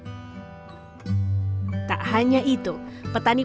petani padi ini juga menjual sayuran yang tidak maksimal